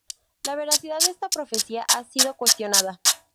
La veracidad de esta profecía ha sido cuestionada.